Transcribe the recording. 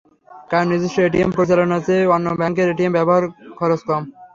কারণ, নিজস্ব এটিএম পরিচালনার চেয়ে অন্য ব্যাংকের এটিএম ব্যবহারে খরচ কম।